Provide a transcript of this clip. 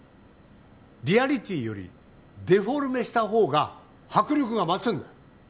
リアリティーよりデフォルメした方が迫力が増すんだよ